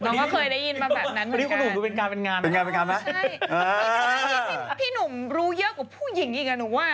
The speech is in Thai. น้องก็เคยได้ยินมาแบบนั้นเหมือนกันเป็นงานนะพี่หนุ่มรู้เยอะกว่าผู้หญิงอ่ะหนูว่า